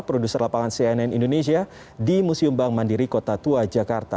produser lapangan cnn indonesia di museum bank mandiri kota tua jakarta